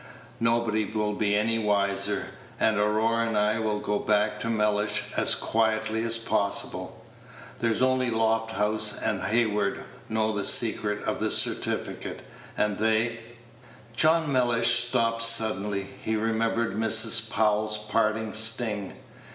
Nobody will be any the wiser, and Aurora and I will go back to Mellish as quietly as possible. There's only Lofthouse and Hayward know the secret of the certificate, and they " John Mellish stopped suddenly. He remembered Mrs. Powell's parting sting.